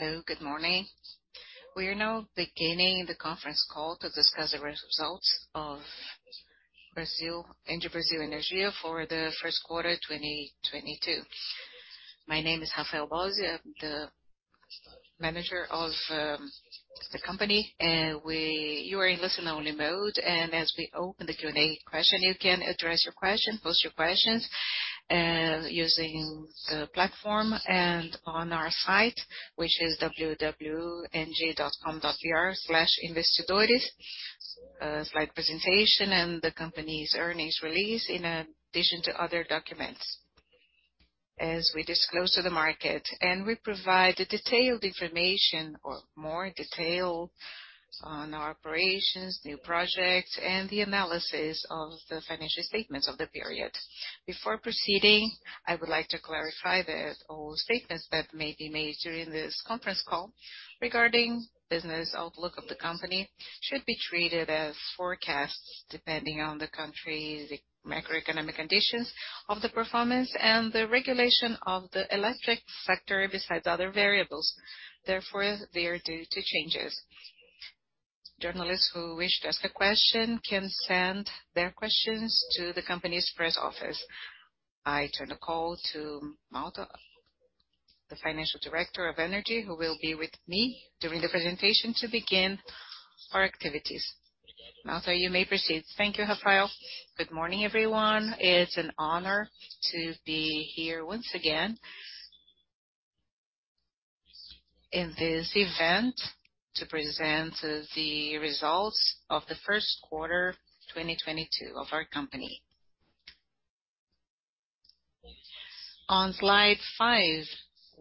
Hello, good morning. We are now beginning the conference call to discuss the results of ENGIE Brasil Energia for the first quarter 2022. My name is Rafael Bósio. I'm the manager of the company. You are in listen-only mode. As we open the Q&A question, you can address your question, post your questions using the platform and on our site, which is www.engie.com.br/investidores. Slide presentation and the company's earnings release in addition to other documents as we disclose to the market. We provide the detailed information or more detail on our operations, new projects and the analysis of the financial statements of the period. Before proceeding, I would like to clarify that all statements that may be made during this conference call regarding business outlook of the company should be treated as forecasts, depending on the country's macroeconomic conditions of the performance and the regulation of the electric sector, besides other variables. Therefore, they are subject to changes. Journalists who wish to ask a question can send their questions to the company's press office. I turn the call to Malta, the financial director of ENGIE, who will be with me during the presentation to begin our activities. Malta, you may proceed. Thank you, Rafael. Good morning, everyone. It's an honor to be here once again in this event to present the results of the first quarter 2022 of our company. On slide five,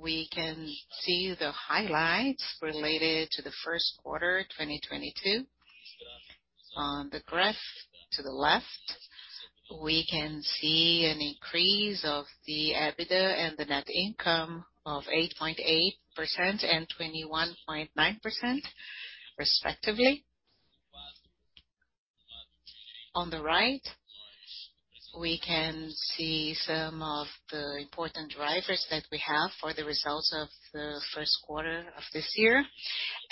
we can see the highlights related to the first quarter 2022. On the graph to the left, we can see an increase of the EBITDA and the net income of 8.8% and 21.9% respectively. On the right, we can see some of the important drivers that we have for the results of the first quarter of this year.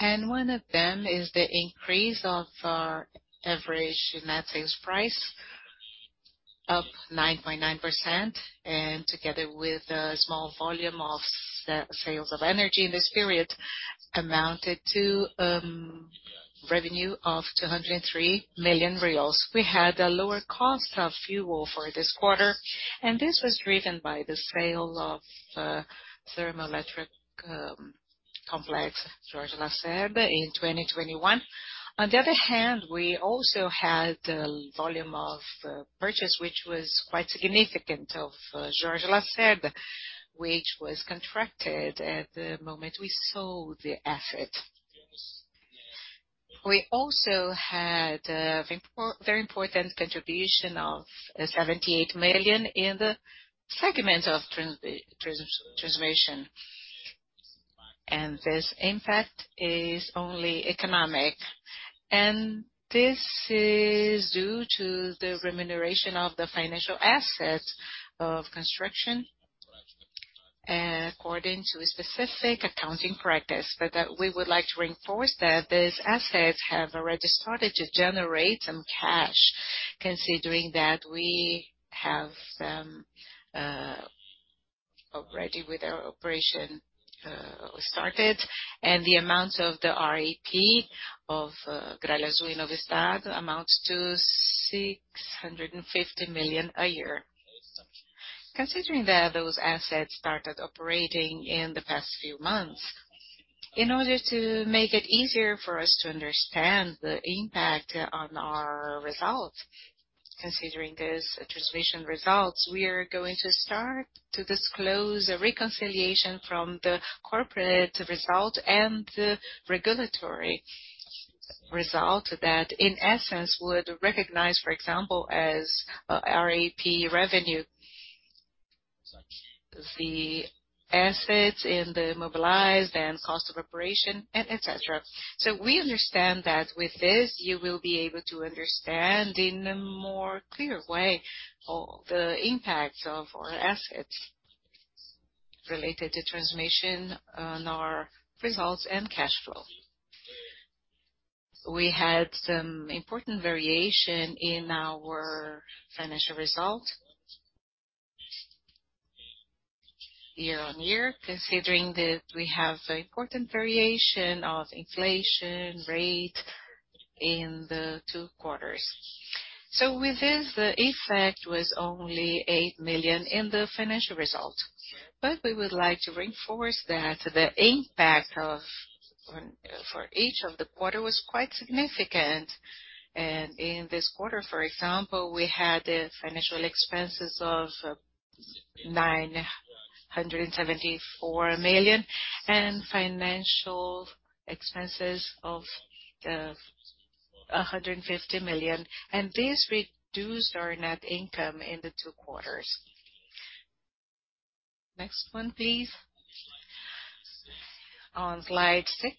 One of them is the increase of our average net sales price, up 9.9%. Together with a small volume of sales of energy in this period, amounted to revenue of 203 million reais. We had a lower cost of fuel for this quarter, and this was driven by the sale of thermoelectric complex Jorge Lacerda in 2021. On the other hand, we also had the volume of purchase, which was quite significant of Jorge Lacerda, which was contracted at the moment we sold the asset. We also had a very important contribution of 78 million in the segment of transmission. This impact is only economic, and this is due to the remuneration of the financial assets of construction according to a specific accounting practice. We would like to reinforce that these assets have already started to generate some cash considering that we have already with our operation started. The amount of the RAP of Gralha Azul e Nova Estado amounts to 650 million a year. Considering that those assets started operating in the past few months, in order to make it easier for us to understand the impact on our results, considering these transmission results, we are going to start to disclose a reconciliation from the corporate result and the regulatory result that in essence would recognize, for example, as RAP revenue. The assets in the mobilization and cost of operation and et cetera. We understand that with this you will be able to understand in a more clear way all the impacts of our assets related to transmission on our results and cash flow. We had some important variation in our financial result year-on-year, considering that we have important variation of inflation rate in the two quarters. With this, the effect was only 8 million in the financial result. We would like to reinforce that the impact of for each of the quarter was quite significant. In this quarter, for example, we had the financial expenses of 974 million and financial expenses of 150 million. This reduced our net income in the two quarters. Next one, please. On slide six,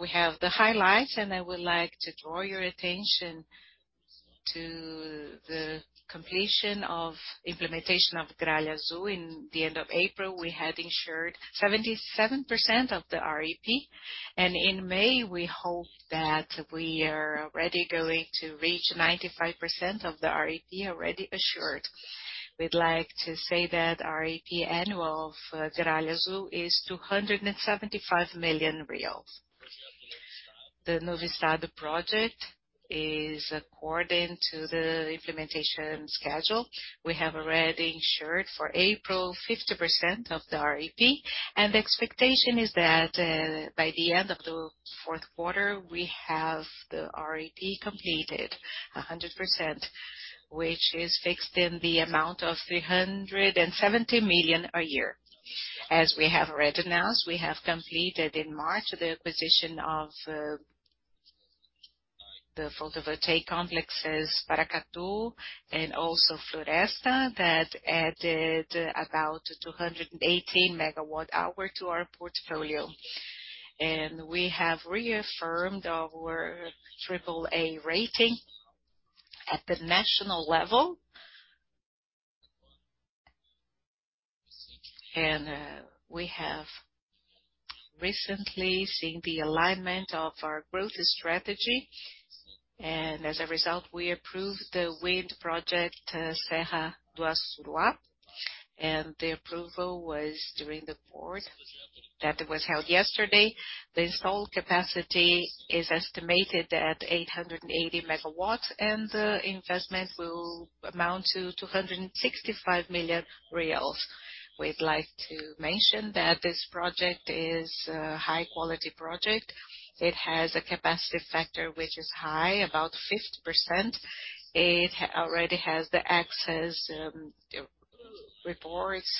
we have the highlights, and I would like to draw your attention to the completion of implementation of Gralha Azul. In the end of April, we had assured 77% of the RAP. In May, we hope that we are already going to reach 95% of the RAP already assured. We'd like to say that RAP annual of Gralha Azul is 275 million reais. The Nova Estado project is according to the implementation schedule. We have already insured for April 50% of the RAP. The expectation is that, by the end of the fourth quarter, we have the RAP completed 100%, which is fixed in the amount of 370 million a year. As we have already announced, we have completed in March the acquisition of the photovoltaic complexes, Paracatu and also Floresta, that added about 218 MW to our portfolio. We have reaffirmed our triple-A rating at the national level. We have recently seen the alignment of our growth strategy. As a result, we approved the wind project, Serra do Assuruá, and the approval was during the board that was held yesterday. The installed capacity is estimated at 880 MW, and the investment will amount to 265 million reais. We'd like to mention that this project is a high-quality project. It has a capacity factor which is high, about 50%. It already has the access, reports,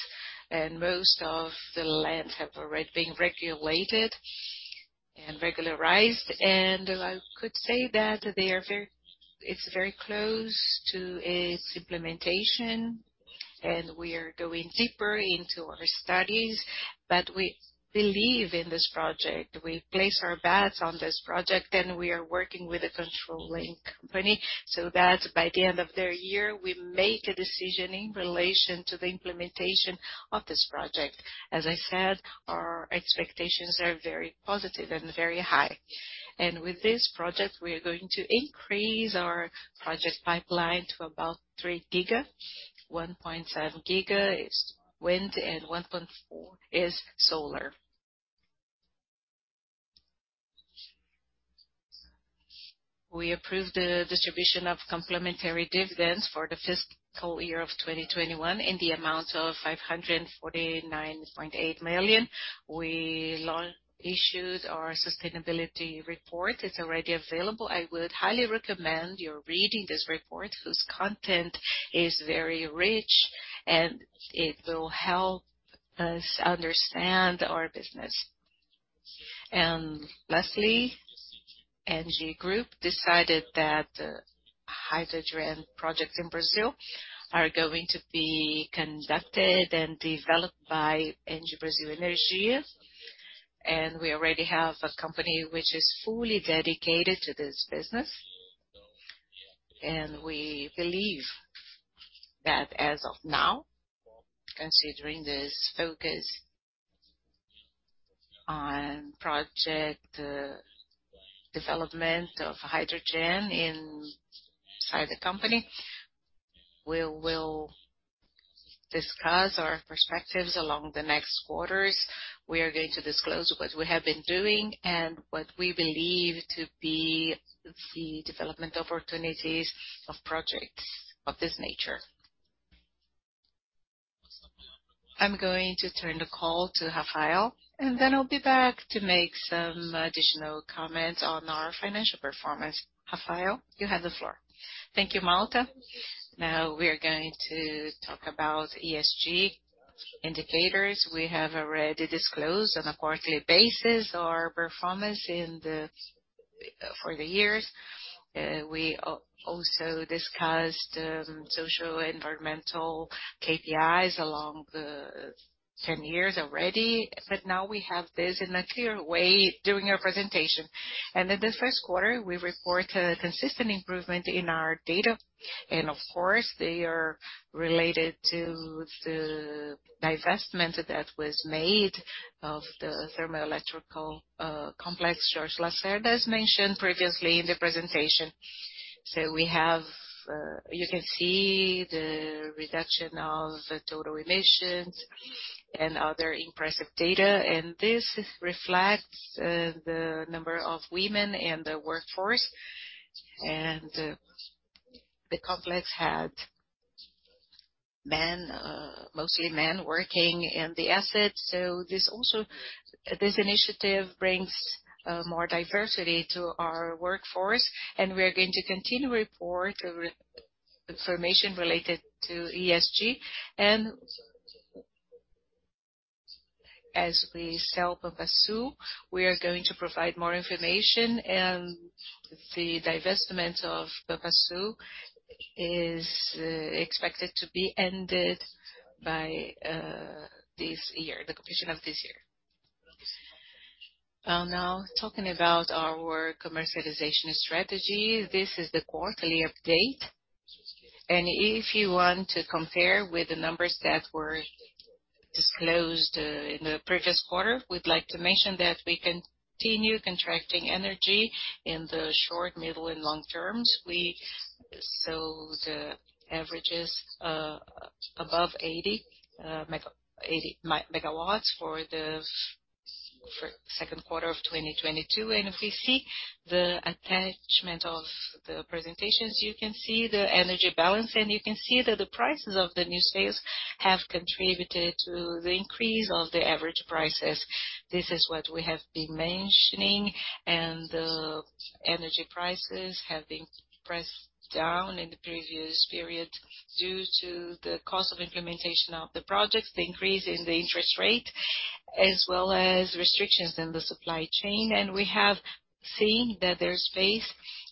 and most of the lands have already been regulated and regularized. I could say that it's very close to its implementation, and we are going deeper into our studies. We believe in this project, we place our bets on this project, and we are working with a controlling company, so that by the end of the year, we make a decision in relation to the implementation of this project. As I said, our expectations are very positive and very high. With this project, we are going to increase our project pipeline to about 3 GW, 1.7 GW is wind and 1.4 GW is solar. We approved the distribution of complementary dividends for the fiscal year of 2021 in the amount of 549.8 million. We issued our sustainability report. It's already available. I would highly recommend you reading this report, whose content is very rich, and it will help us understand our business. Lastly, ENGIE Group decided that hydrogen projects in Brazil are going to be conducted and developed by ENGIE Brasil Energia. We already have a company which is fully dedicated to this business. We believe that as of now, considering this focus on project development of hydrogen inside the company, we will discuss our perspectives along the next quarters. We are going to disclose what we have been doing and what we believe to be the development opportunities of projects of this nature. I'm going to turn the call to Rafael, and then I'll be back to make some additional comments on our financial performance. Rafael, you have the floor. Thank you, Malta. Now we are going to talk about ESG indicators. We have already disclosed on a quarterly basis our performance in the for the years. We also discussed social, environmental KPIs along the 10 years already, but now we have this in a clear way during our presentation. In the first quarter, we report a consistent improvement in our data. Of course, they are related to the divestment that was made of the thermoelectric complex Jorge Lacerda, as mentioned previously in the presentation. We have. You can see the reduction of the total emissions and other impressive data. This reflects the number of women in the workforce. The complex had men, mostly men working in the asset. This initiative brings more diversity to our workforce, and we are going to continue to report more information related to ESG. As we sell Pampasu, we are going to provide more information, and the divestment of Pampasu is expected to be ended by the end of this year. Well, now, talking about our commercialization strategy, this is the quarterly update. If you want to compare with the numbers that were disclosed in the previous quarter, we'd like to mention that we continue contracting energy in the short, middle, and long terms. The average is above 80 MW for the second quarter of 2022. If you see the attachment of the presentations, you can see the energy balance, and you can see that the prices of the new sales have contributed to the increase of the average prices. This is what we have been mentioning, and the energy prices have been pressed down in the previous period due to the cost of implementation of the projects, the increase in the interest rate, as well as restrictions in the supply chain. We have seen that there's space,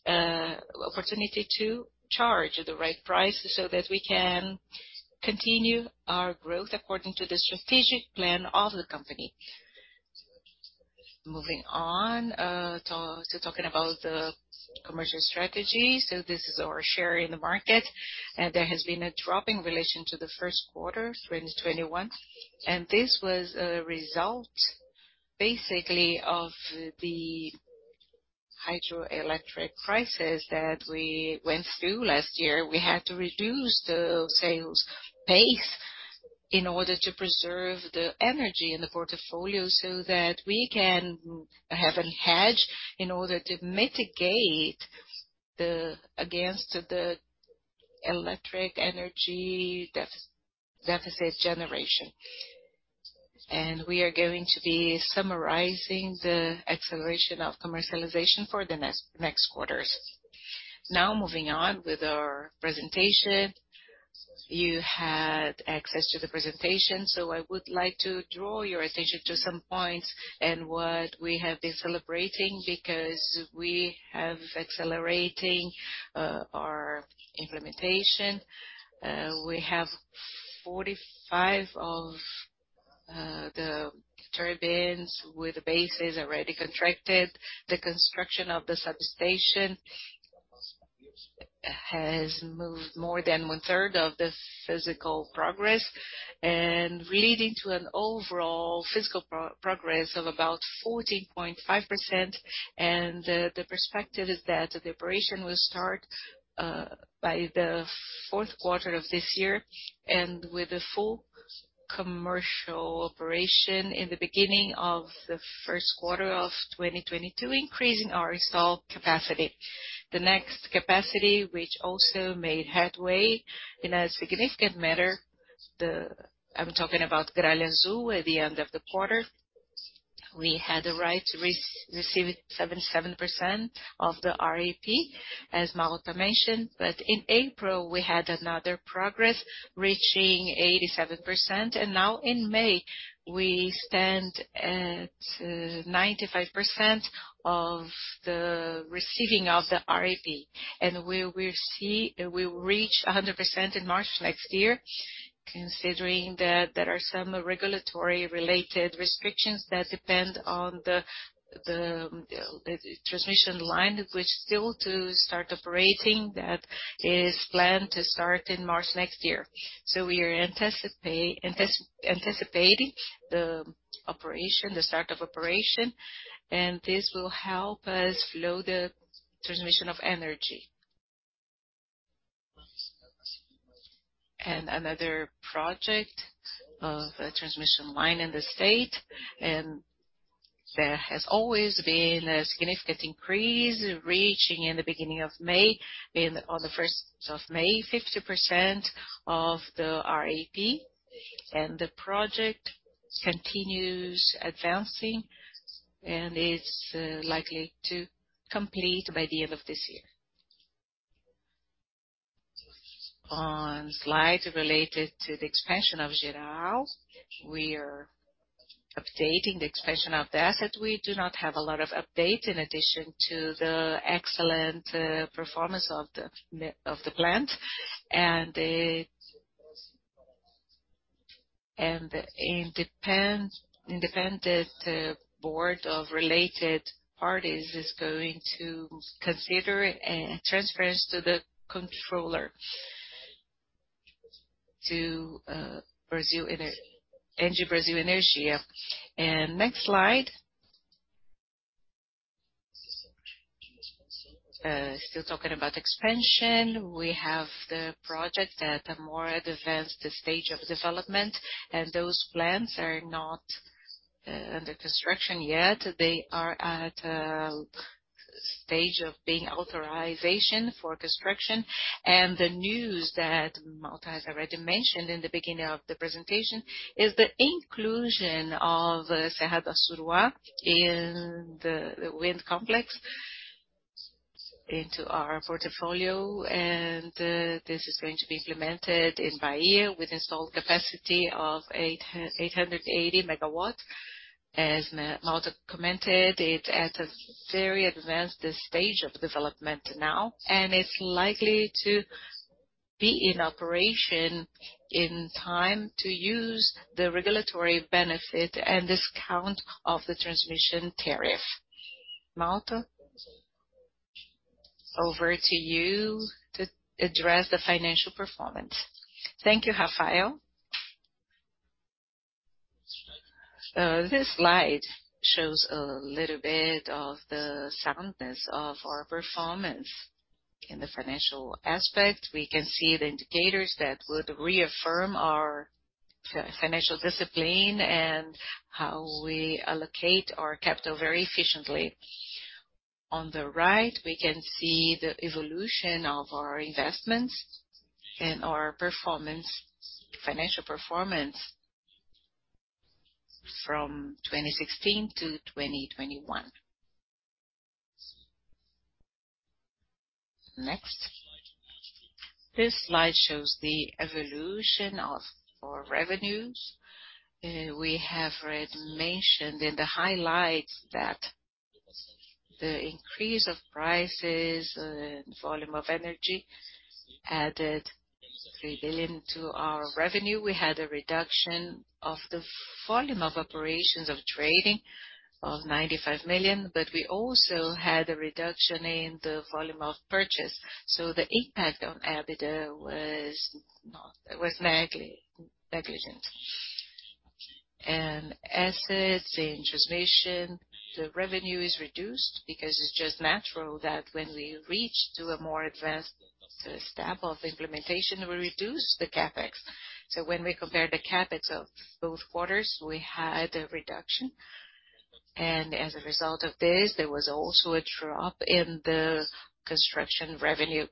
opportunity to charge the right price so that we can continue our growth according to the strategic plan of the company. Moving on, talking about the commercial strategy. This is our share in the market, and there has been a drop in relation to the first quarter 2021, and this was a result basically of the hydroelectric crisis that we went through last year. We had to reduce the sales pace in order to preserve the energy in the portfolio, so that we can have a hedge in order to mitigate against the electric energy deficit generation. We are going to be summarizing the acceleration of commercialization for the next quarters. Now moving on with our presentation. You had access to the presentation, so I would like to draw your attention to some points and what we have been celebrating because we have accelerating our implementation. We have 45 of the turbines with the bases already contracted. The construction of the substation has moved more than one-third of the physical progress and leading to an overall physical progress of about 14.5%. The perspective is that the operation will start by the fourth quarter of this year and with the full commercial operation in the beginning of the first quarter of 2022, increasing our installed capacity. The next capacity, which also made headway in a significant manner, I'm talking about Gralha Azul at the end of the quarter. We had the right to receive 77% of the RAP, as Malta mentioned. In April, we had another progress, reaching 87%. Now in May, we stand at 95% of the receiving of the RAP. We will reach 100% in March next year, considering that there are some regulatory-related restrictions that depend on the transmission line, which still to start operating. That is planned to start in March next year. We are anticipating the operation, the start of operation, and this will help us flow the transmission of energy. Another project of a transmission line in the state, and there has always been a significant increase reaching in the beginning of May, on May 1st, 50% of the RAP. The project continues advancing and is likely to complete by the end of this year. On slide related to the expansion of Jirau, we are updating the expansion of the asset. We do not have a lot of update in addition to the excellent performance of the plant. An independent board of related parties is going to consider it and transfers to the controller to ENGIE Brasil Energia. Next slide. Still talking about expansion. We have the project at a more advanced stage of development, and those plans are not under construction yet. They are at stage of being authorization for construction. The news that Malta has already mentioned in the beginning of the presentation is the inclusion of Serra do Assuruá in the wind complex into our portfolio. This is going to be implemented in Bahia with installed capacity of 880 MW. As Malta commented, it's at a very advanced stage of development now, and it's likely to be in operation in time to use the regulatory benefit and discount of the transmission tariff. Malta, over to you to address the financial performance. Thank you, Rafael. This slide shows a little bit of the soundness of our performance. In the financial aspect, we can see the indicators that would reaffirm our financial discipline and how we allocate our capital very efficiently. On the right, we can see the evolution of our investments and our performance, financial performance from 2016 to 2021. Next. This slide shows the evolution of our revenues. We have already mentioned in the highlights that the increase of prices and volume of energy added 3 billion to our revenue. We had a reduction of the volume of operations of trading of 95 million, but we also had a reduction in the volume of purchase. The impact on EBITDA was not negligible. Assets in transmission, the revenue is reduced because it's just natural that when we reach to a more advanced step of implementation, we reduce the CapEx. When we compare the CapEx of both quarters, we had a reduction. As a result of this, there was also a drop in the construction revenue.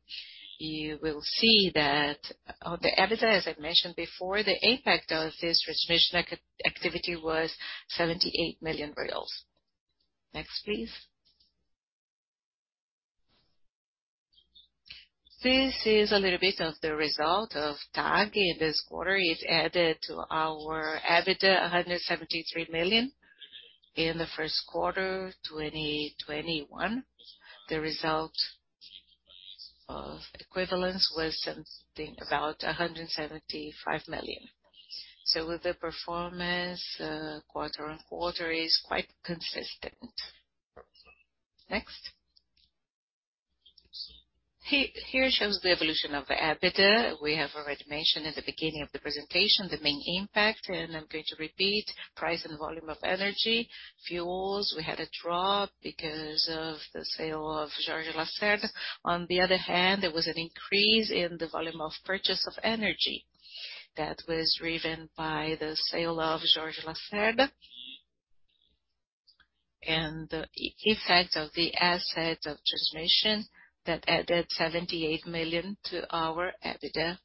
You will see that on the EBITDA, as I mentioned before, the impact of this transmission activity was 78 million BRL. Next, please. This is a little bit of the result of TAG in this quarter. It added to our EBITDA 173 million in the first quarter, 2021. The result of equivalence was something about 175 million. With the performance, quarter-on-quarter is quite consistent. Next. Here shows the evolution of EBITDA. We have already mentioned at the beginning of the presentation the main impact, and I'm going to repeat, price and volume of energy. Fuels, we had a drop because of the sale of Jorge Lacerda. On the other hand, there was an increase in the volume of purchase of energy that was driven by the sale of Jorge Lacerda. The effect of the assets of transmission, that added 78 million to our EBITDA.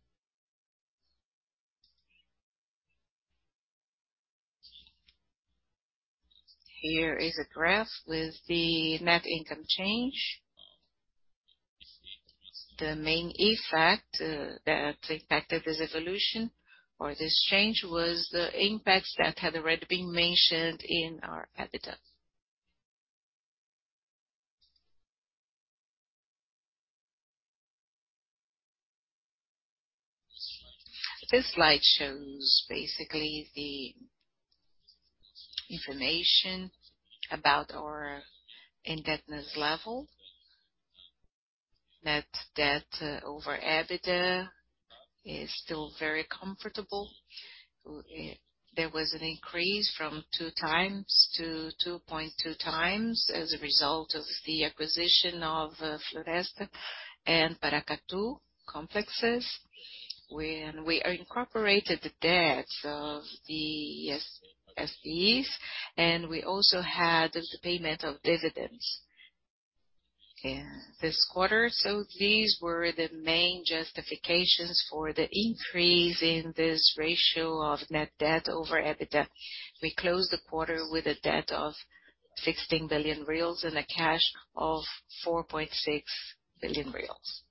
Here is a graph with the net income change. The main effect that impacted this evolution or this change was the impacts that had already been mentioned in our EBITDA. This slide shows basically the information about our indebtedness level. Net debt over EBITDA is still very comfortable. There was an increase from 2x to 2.2x as a result of the acquisition of Floresta and Paracatu complexes, when we incorporated the debts of the SPEs, and we also had the payment of dividends in this quarter. These were the main justifications for the increase in this ratio of net debt over EBITDA. We closed the quarter with a debt of 16 billion reais and a cash of 4.6 billion reais.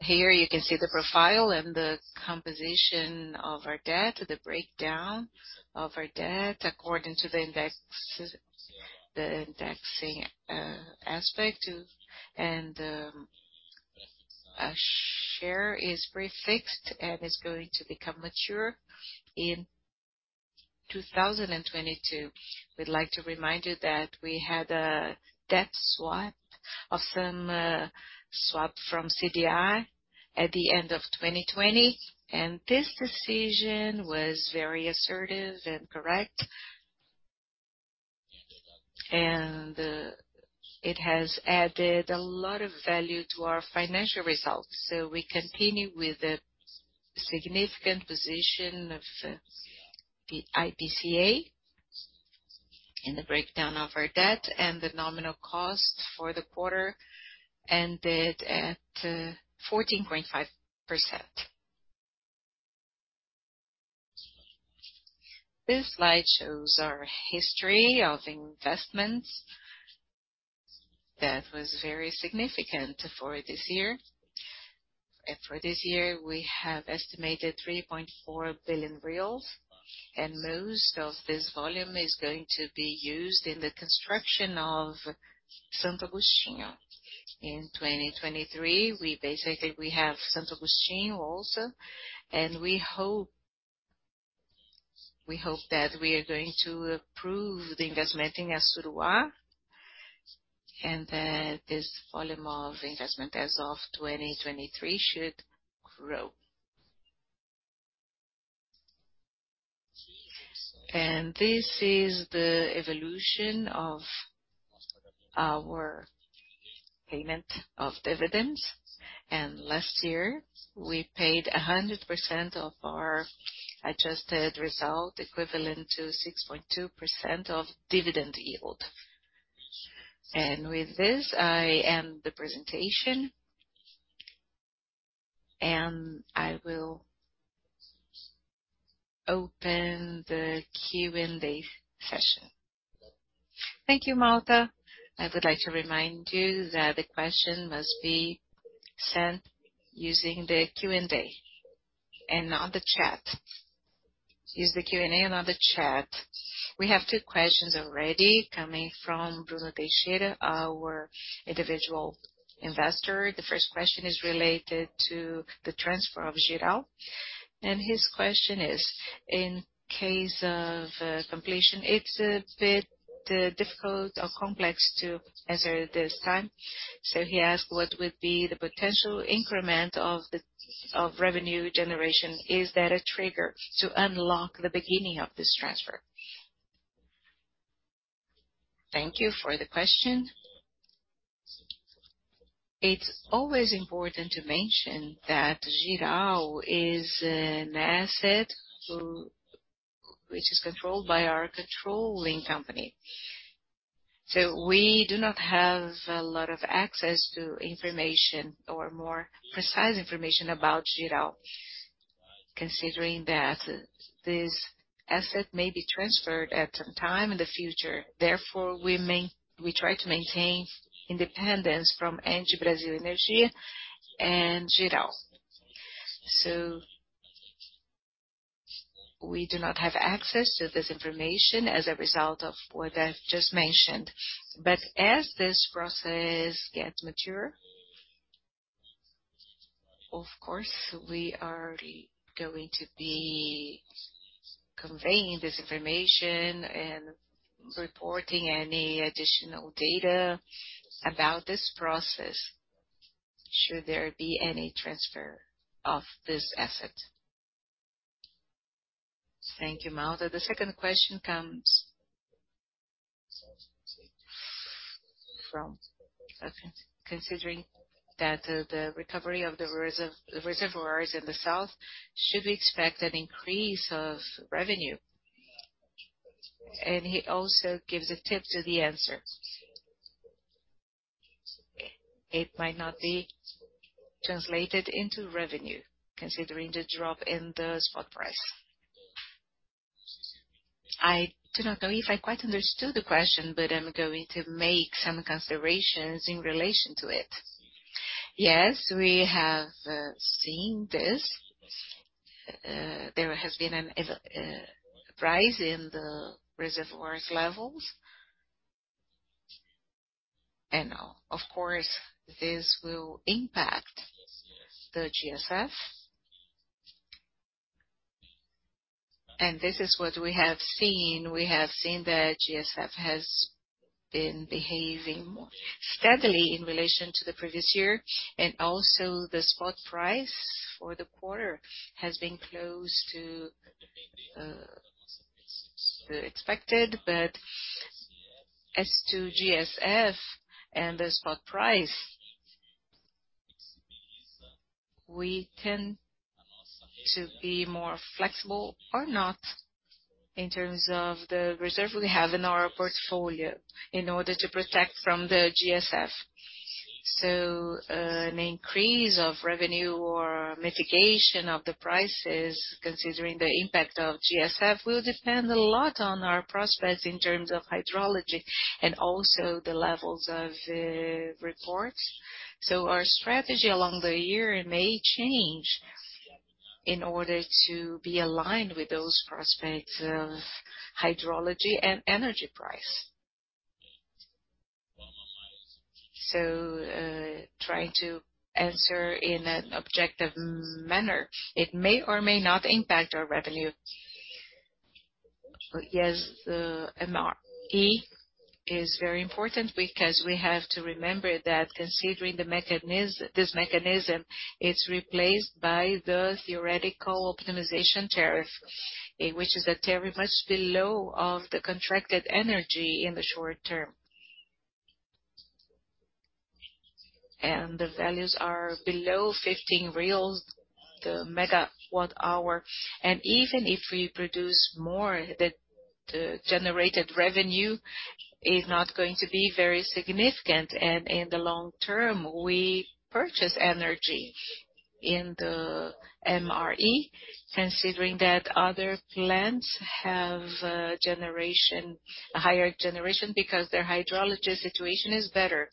Here you can see the profile and the composition of our debt, the breakdown of our debt according to the indexing aspect of a share is prefixed and is going to become mature in 2022. We'd like to remind you that we had a debt swap of some swap from CDI at the end of 2020, and this decision was very assertive and correct. It has added a lot of value to our financial results, so we continue with a significant position of the IPCA in the breakdown of our debt and the nominal cost for the quarter ended at 14.5%. This slide shows our history of investments. That was very significant for this year. For this year, we have estimated 3.4 billion reais. Most of this volume is going to be used in the construction of Santo Agostinho. In 2023, we basically have Santo Agostinho also, and we hope that we are going to approve the investment in Assuruá. That this volume of investment as of 2023 should grow. This is the evolution of our payment of dividends. Last year, we paid 100% of our adjusted result, equivalent to 6.2% dividend yield. With this, I end the presentation. I will open the Q&A session. Thank you, Malta. I would like to remind you that the question must be sent using the Q&A, and not the chat. Use the Q&A and not the chat. We have two questions already coming from Bruno Teixeira, our individual investor. The first question is related to the transfer of Jirau. His question is, in case of completion, it's a bit difficult or complex to answer this time. He asked what would be the potential increment of revenue generation. Is that a trigger to unlock the beginning of this transfer? Thank you for the question. It's always important to mention that Jirau is an asset which is controlled by our controlling company. We do not have a lot of access to information or more precise information about Jirau, considering that this asset may be transferred at some time in the future. Therefore, we try to maintain independence from ENGIE Brasil Energia and Jirau. We do not have access to this information as a result of what I've just mentioned. As this process gets mature, of course, we are going to be conveying this information and reporting any additional data about this process, should there be any transfer of this asset. Thank you, Malta. The second question comes from Patrick. Considering that, the recovery of the reservoirs in the south, should we expect an increase of revenue? He also gives a tip to the answer. It might not be translated into revenue, considering the drop in the spot price. I do not know if I quite understood the question, but I'm going to make some considerations in relation to it. Yes, we have seen this. There has been a rise in the reservoir levels. Of course, this will impact the GSF. This is what we have seen. We have seen that GSF has been behaving steadily in relation to the previous year, and also the spot price for the quarter has been close to the expected. As to GSF and the spot price, we tend to be more flexible or not in terms of the reserve we have in our portfolio in order to protect from the GSF. An increase of revenue or mitigation of the prices, considering the impact of GSF, will depend a lot on our prospects in terms of hydrology and also the levels of reservoirs. Our strategy along the year may change in order to be aligned with those prospects of hydrology and energy price. Trying to answer in an objective manner, it may or may not impact our revenue. Yes, the MRE is very important because we have to remember that considering this mechanism, it's replaced by the theoretical optimization tariff, which is a tariff much below that of the contracted energy in the short term. The values are below 15 reais/MWh. Even if we produce more, the generated revenue is not going to be very significant. In the long term, we purchase energy in the MRE, considering that other plants have generation, a higher generation because their hydrology situation is better.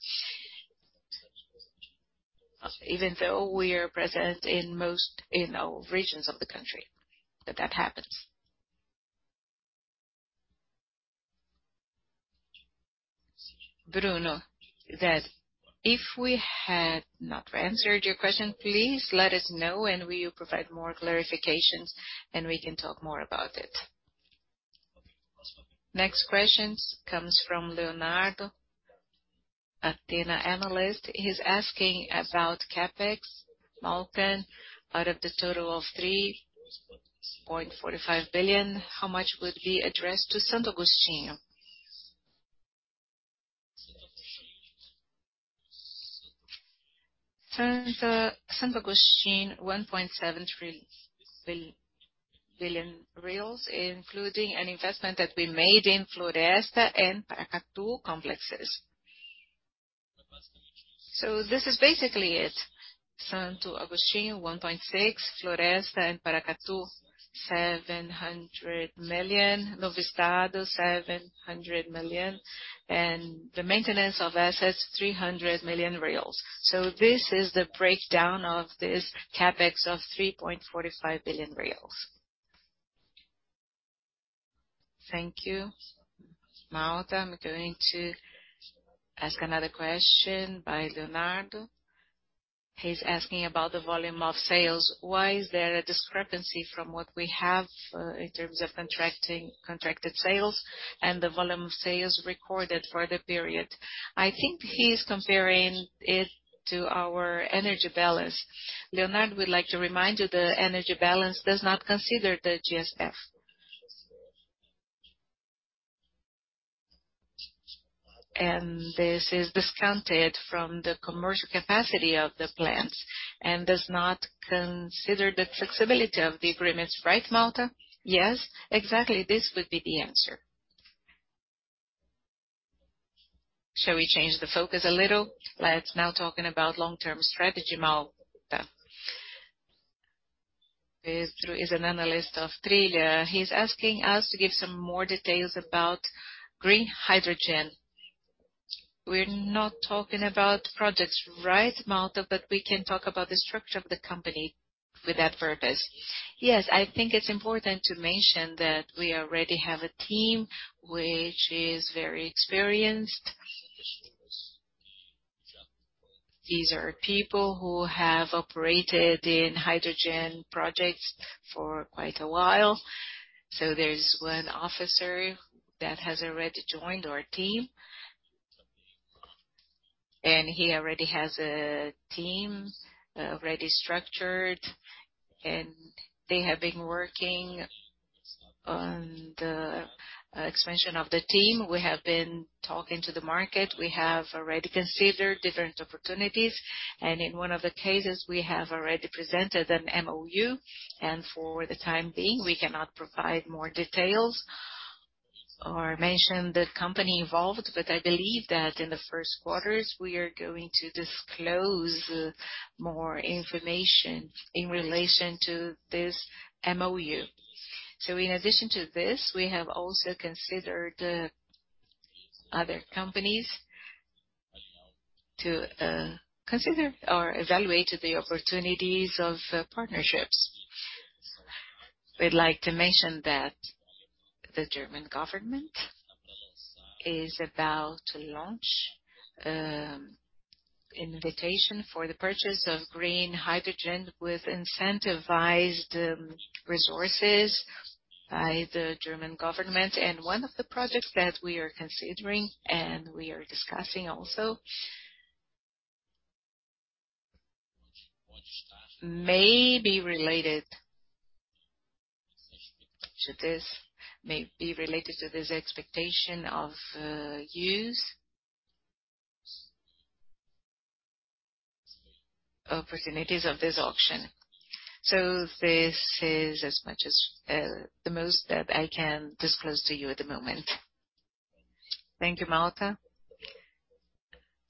Even though we are present in most, you know, regions of the country that happens. Bruno said, "If we have not answered your question, please let us know and we will provide more clarifications, and we can talk more about it." Next question comes from Leonardo, Athena analyst. He's asking about CapEx. Malta, out of the total of 3.45 billion, how much would be addressed to Santo Agostinho? Santo Agostinho, 1.73 billion reals, including an investment that we made in Floresta and Paracatu complexes. This is basically it. Santo Agostinho, 1.6 billion, Floresta and Paracatu, 700 million, Novo Estado, 700 million, and the maintenance of assets, 300 million reais. This is the breakdown of this CapEx of 3.45 billion reais. Thank you. Malta, I'm going to ask another question by Leonardo. He's asking about the volume of sales. Why is there a discrepancy from what we have, in terms of contracted sales and the volume of sales recorded for the period? I think he's comparing it to our energy balance. Leonardo, we'd like to remind you the energy balance does not consider the GSF. This is discounted from the commercial capacity of the plants and does not consider the flexibility of the agreements. Right, Malta? Yes. Exactly. This would be the answer. Shall we change the focus a little? Let's now talking about long-term strategy, Malta. He's an analyst of Trilha. He's asking us to give some more details about green hydrogen. We're not talking about projects, right, Malta, but we can talk about the structure of the company for that purpose. Yes, I think it's important to mention that we already have a team which is very experienced. These are people who have operated in hydrogen projects for quite a while. There's one officer that has already joined our team. He already has a team already structured, and they have been working on the expansion of the team. We have been talking to the market. We have already considered different opportunities, and in one of the cases, we have already presented an MoU, and for the time being, we cannot provide more details or mention the company involved. I believe that in the first quarters, we are going to disclose more information in relation to this MoU. In addition to this, we have also considered other companies to consider or evaluate the opportunities of partnerships. We'd like to mention that the German government is about to launch invitation for the purchase of green hydrogen with incentivized resources by the German government. One of the projects that we are considering and we are discussing also may be related to this expectation of use opportunities of this auction. This is as much as the most that I can disclose to you at the moment. Thank you, Malta.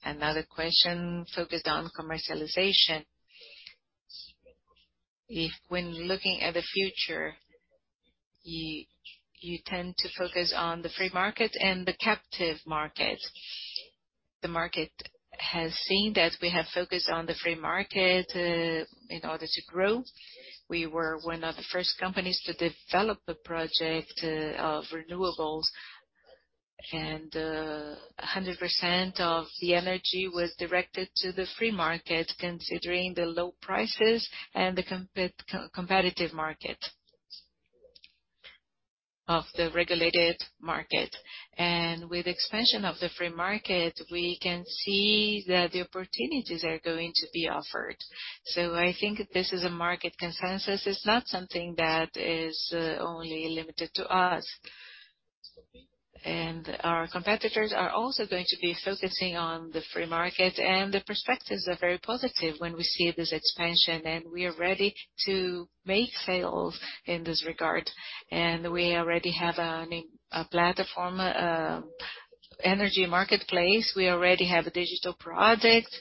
Another question focused on commercialization. If when looking at the future, you tend to focus on the free market and the captive market. The market has seen that we have focused on the free market in order to grow. We were one of the first companies to develop a project of renewables. 100% of the energy was directed to the free market, considering the low prices and the competitive market of the regulated market. With expansion of the free market, we can see that the opportunities are going to be offered. I think this is a market consensus. It's not something that is only limited to us. Our competitors are also going to be focusing on the free market, and the perspectives are very positive when we see this expansion, and we are ready to make sales in this regard. We already have a platform, Energy Place. We already have a digital product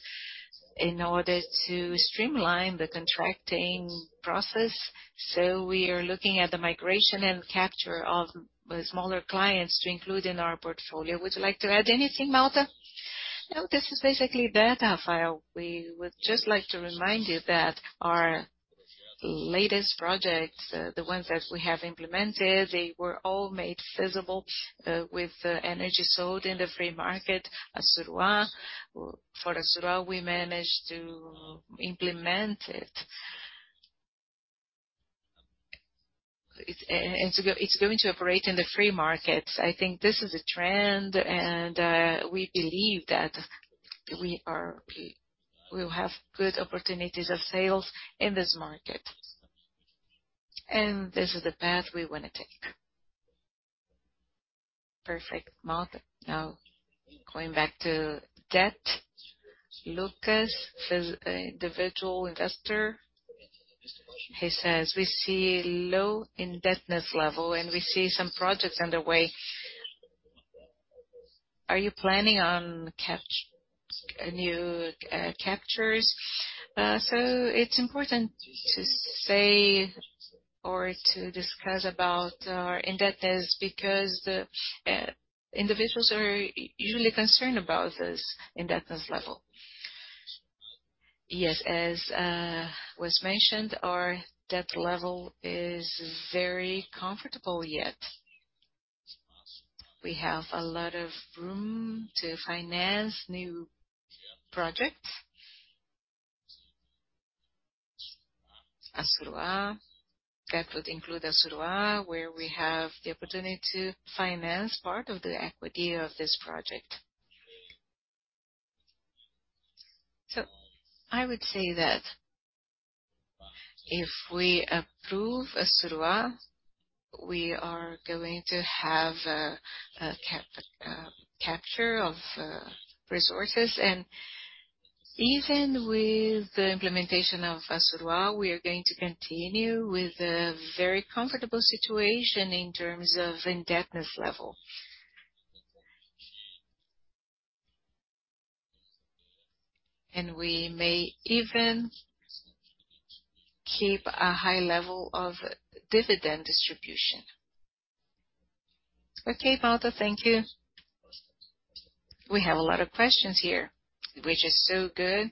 in order to streamline the contracting process. We are looking at the migration and capture of smaller clients to include in our portfolio. Would you like to add anything, Malta? No, this is basically the file. We would just like to remind you that our latest projects, the ones that we have implemented, they were all made feasible with energy sold in the free market. Assuruá. For Assuruá, we managed to implement it. It's going to operate in the free market. I think this is a trend, and we believe that we will have good opportunities of sales in this market. This is the path we wanna take. Perfect, Malta. Now, going back to debt. Lucas says, the virtual investor. He says, "We see low indebtedness level, and we see some projects underway. Are you planning on a new capture? It's important to say or to discuss about our indebtedness because individuals are usually concerned about this indebtedness level. Yes. As was mentioned, our debt level is very comfortable yet. We have a lot of room to finance new projects. Assuruá. That would include Assuruá, where we have the opportunity to finance part of the equity of this project. I would say that if we approve Assuruá, we are going to have a capture of resources. Even with the implementation of Assuruá, we are going to continue with a very comfortable situation in terms of indebtedness level. We may even keep a high level of dividend distribution. Okay, Malta. Thank you. We have a lot of questions here, which is so good.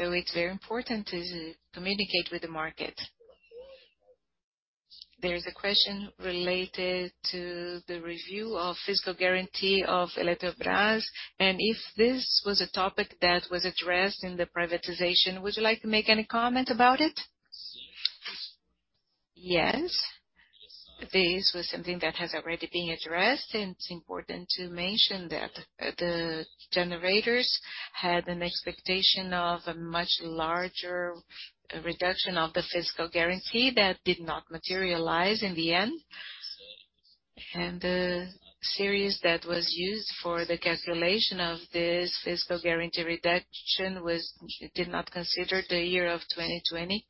It's very important to communicate with the market. There is a question related to the review of fiscal guarantee of Eletrobras, and if this was a topic that was addressed in the privatization. Would you like to make any comment about it? Yes. This was something that has already been addressed, and it's important to mention that the generators had an expectation of a much larger reduction of the fiscal guarantee that did not materialize in the end. The series that was used for the calculation of this fiscal guarantee reduction did not consider the year of 2020.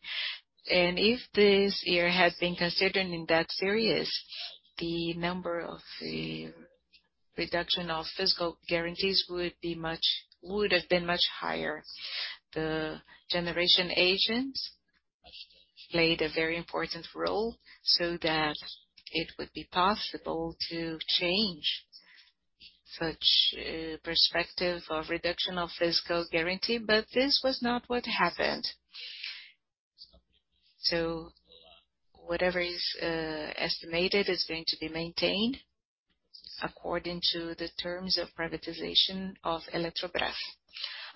If this year had been considered in that series, the number of the reduction of fiscal guarantees would have been much higher. The generation agents played a very important role so that it would be possible to change such a perspective of reduction of fiscal guarantee, but this was not what happened. Whatever is estimated is going to be maintained according to the terms of privatization of Eletrobras.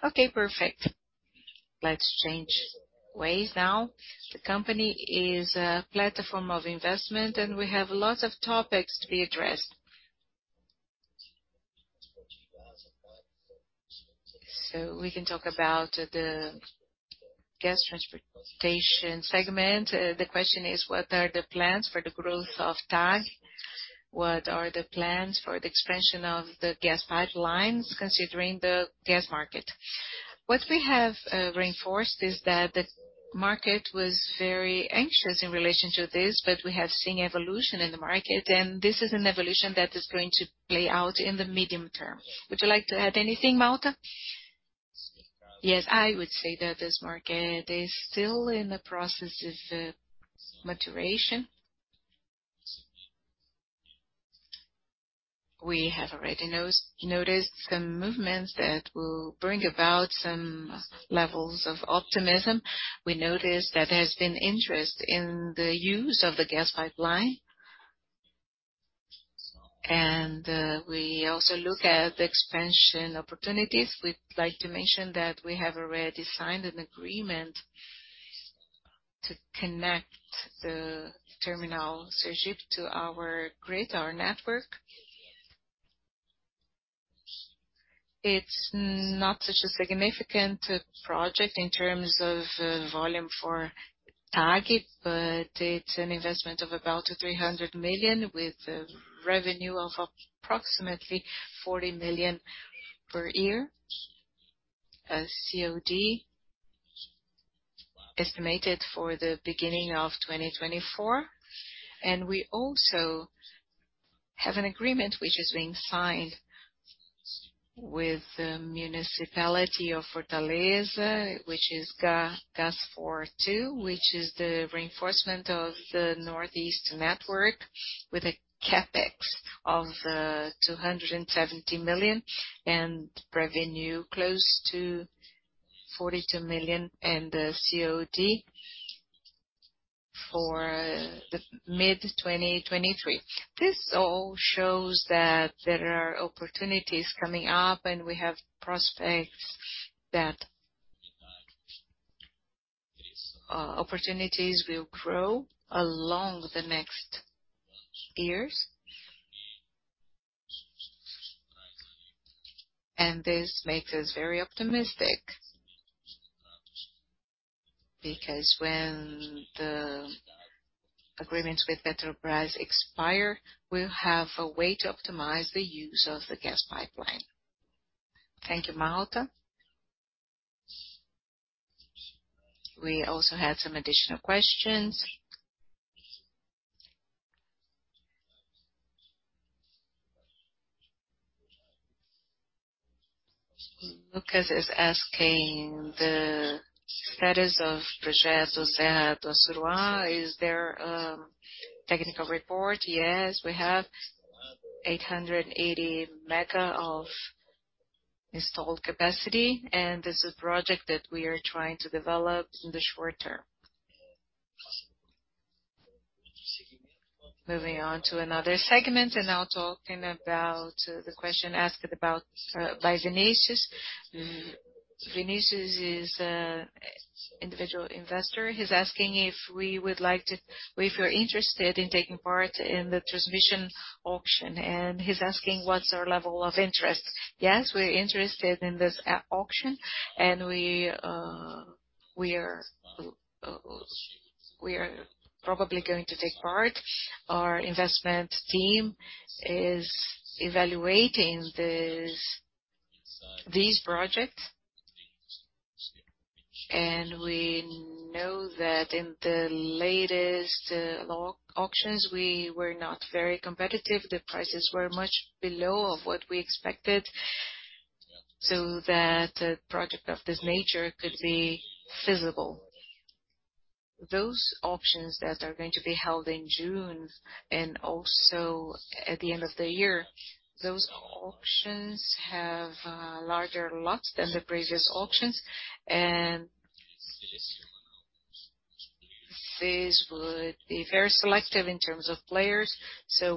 Okay, perfect. Let's change ways now. The company is a platform of investment, and we have lots of topics to be addressed. We can talk about the gas transportation segment. The question is, what are the plans for the growth of TAG? What are the plans for the expansion of the gas pipelines considering the gas market? What we have reinforced is that the market was very anxious in relation to this, but we have seen evolution in the market, and this is an evolution that is going to play out in the medium term. Would you like to add anything, Malta? Yes, I would say that this market is still in the process of maturation. We have already noticed some movements that will bring about some levels of optimism. We noticed that there's been interest in the use of the gas pipeline. We also look at the expansion opportunities. We'd like to mention that we have already signed an agreement to connect the Suape GNL terminal to our grid, our network. It's not such a significant project in terms of volume for TAG, but it's an investment of about 300 million, with a revenue of approximately 40 million per year, COD. Estimated for the beginning of 2024. We also have an agreement which is being signed with the municipality of Fortaleza, which is GASFOR II, which is the reinforcement of the Northeast network with a CapEx of 270 million, and revenue close to 42 million, and the COD for mid-2023. This all shows that there are opportunities coming up, and we have prospects that opportunities will grow along the next years. This makes us very optimistic. Because when the agreements with Petrobras expire, we'll have a way to optimize the use of the gas pipeline. Thank you, Malta. We also had some additional questions. Lucas is asking the status of Project Serra do Assuruá. Is there technical report? Yes, we have 880 MW of installed capacity, and this is a project that we are trying to develop in the short term. Moving on to another segment, now talking about the question asked about by Vinicius. Vinicius is individual investor. He's asking if we're interested in taking part in the transmission auction, and he's asking what's our level of interest. Yes, we're interested in this auction, and we are probably going to take part. Our investment team is evaluating these projects. We know that in the latest lot auctions, we were not very competitive. The prices were much below what we expected, so that a project of this nature could be feasible. Those auctions that are going to be held in June, and also at the end of the year, those auctions have larger lots than the previous auctions. This would be very selective in terms of players.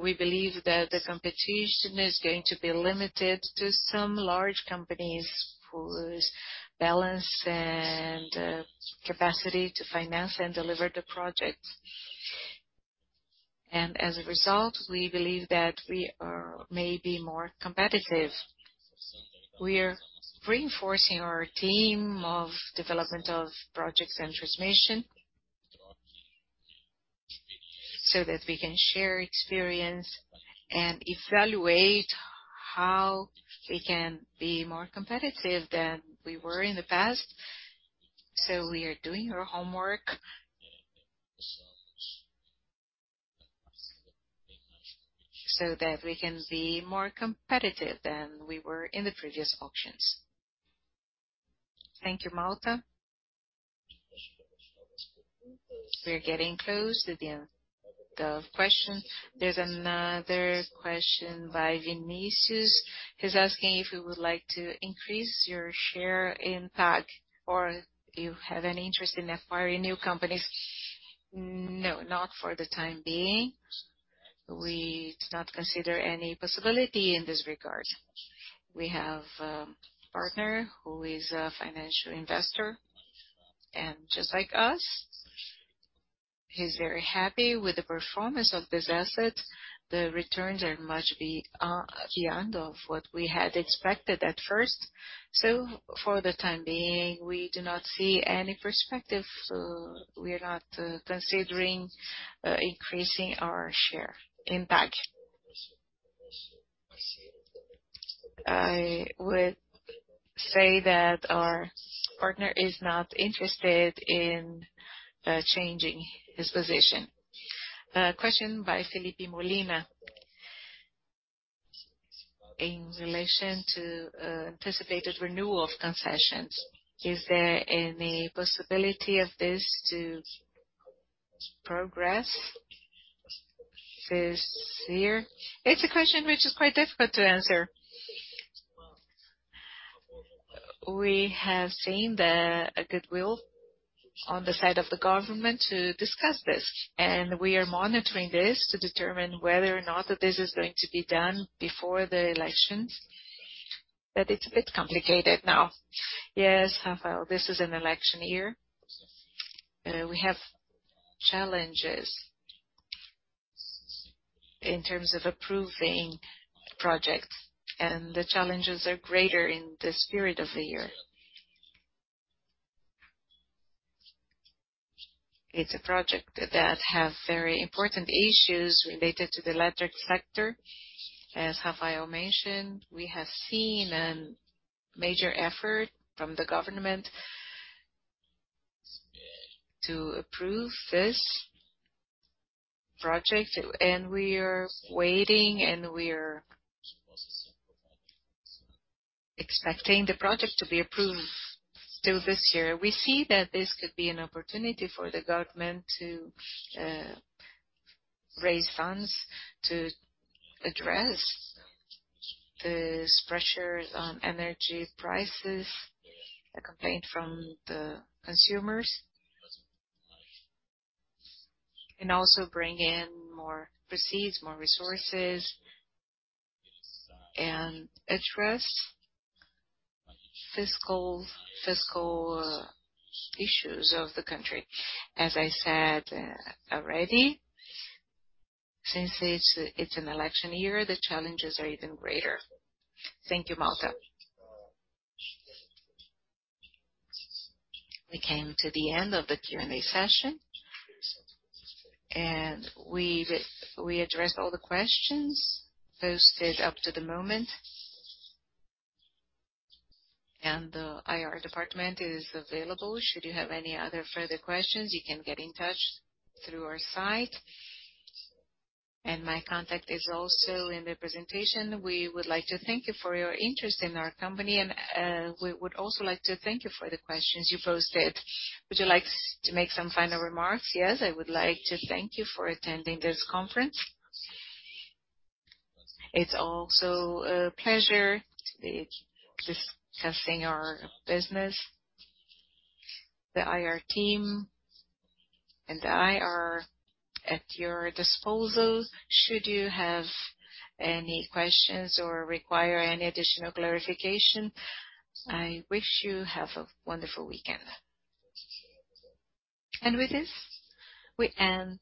We believe that the competition is going to be limited to some large companies whose balance and, capacity to finance and deliver the project. As a result, we believe that we are maybe more competitive. We are reinforcing our team of development of projects and transmission, so that we can share experience and evaluate how we can be more competitive than we were in the past. We are doing our homework, so that we can be more competitive than we were in the previous auctions. Thank you, Malta. We are getting close to the end of questions. There's another question by Vinicius. He's asking if we would like to increase your share in PAC, or if you have any interest in acquiring new companies. No, not for the time being. We do not consider any possibility in this regard. We have a partner who is a financial investor, and just like us, he's very happy with the performance of this asset. The returns are much better beyond what we had expected at first. For the time being, we do not see any perspective. We are not considering increasing our share in PAC. I would say that our partner is not interested in changing his position. Question by [Philippe] Molina. In relation to anticipated renewal of concessions, is there any possibility of this to progress this year? It's a question which is quite difficult to answer. We have seen a goodwill on the side of the government to discuss this, and we are monitoring this to determine whether or not this is going to be done before the elections. It's a bit complicated now. Yes, Rafael, this is an election year. We have challenges in terms of approving projects, and the challenges are greater in this period of the year. It's a project that has very important issues related to the electric sector. As Rafael mentioned, we have seen a major effort from the government to approve this project, and we are waiting, and we are expecting the project to be approved still this year. We see that this could be an opportunity for the government to raise funds to address these pressures on energy prices, a complaint from the consumers. Bring in more proceeds, more resources, and address fiscal issues of the country. As I said already, since it's an election year, the challenges are even greater. Thank you, Malta. We came to the end of the Q&A session. We addressed all the questions posted up to the moment. The IR department is available should you have any other further questions. You can get in touch through our site. My contact is also in the presentation. We would like to thank you for your interest in our company, and we would also like to thank you for the questions you posted. Would you like to make some final remarks? Yes, I would like to thank you for attending this conference. It's also a pleasure to be discussing our business. The IR team is at your disposal should you have any questions or require any additional clarification. I wish you have a wonderful weekend. With this, we end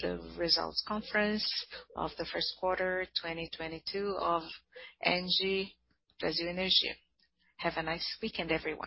the results conference of the first quarter 2022 of ENGIE Brasil Energia. Have a nice weekend, everyone.